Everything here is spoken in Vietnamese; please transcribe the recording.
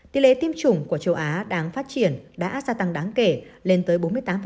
tỷ lệ tiêm chủng của châu á đáng phát triển đã gia tăng đáng kể lên tới bốn mươi tám